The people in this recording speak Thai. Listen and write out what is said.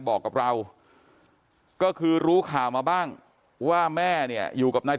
บอกกับเราก็คือรู้ข่าวมาบ้างว่าแม่เนี่ยอยู่กับนาย